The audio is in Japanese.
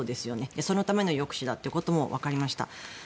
そのための抑止だということも分かりました。